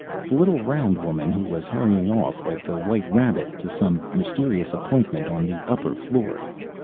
the little round woman who was hurrying off, like the White Rabbit, to some mysterious appointment on the upper floor